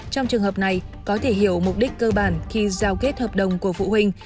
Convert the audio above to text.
trong trường hợp này có thể hiểu mục đích cơ bản khi giao kết hợp đồng của phụ huynh